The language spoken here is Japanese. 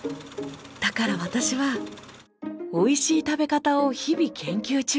だから私はおいしい食べ方を日々研究中。